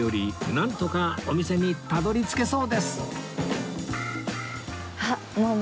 なんとかお店にたどり着けそうです！